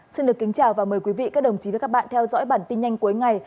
xin được kính chào và mời quý vị các đồng chí và các bạn theo dõi bản tin nhanh cuối ngày